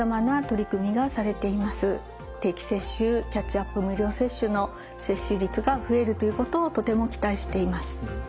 定期接種キャッチアップ無料接種の接種率が増えるということをとても期待しています。